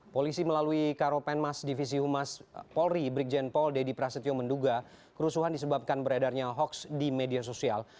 polisi melalui karopenmas divisi humas polri brigjen paul deddy prasetyo menduga kerusuhan disebabkan beredarnya hoax di media sosial